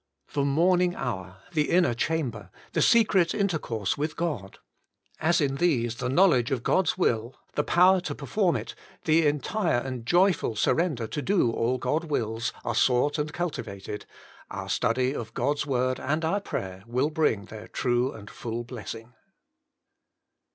... The morning hour, the inner chamber, the secret inter course with God, as in these the knowledge of God's will, the power to perform it, the entire and joy ful surrender to do all God wills, are sought and cultivated, our study of God's word and our prayer will bring their true and full blessing.